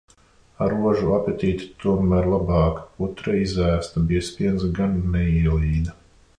Ar ožu apetīte tomēr labāka, putra izēsta, biezpiens gan neielīda.